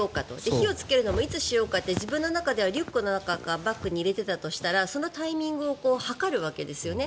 火をつけるのもいつにしようか自分の中ではリュックの中かバッグに入れていたとしたらそのタイミングを計るわけですよね。